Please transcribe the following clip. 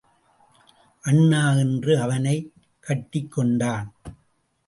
அண்ணா என்று அவனைக் கட்டிக் கொண்டான்.